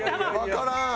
わからん。